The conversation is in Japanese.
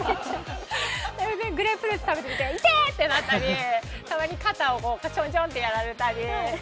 グレープフルーツ食べてるから、いてぇっ！となったり、たまに肩をちょんちょんってやられたり。